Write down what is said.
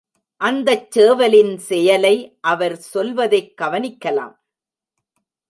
அந்தச் சேவலின் செயலை அவர் சொல்வதைக் கவனிக்கலாம்.